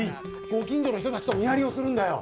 ご近所の人たちと見張りをするんだよ。